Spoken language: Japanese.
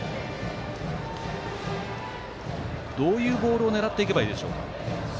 どういうボールを狙っていけばいいでしょうか。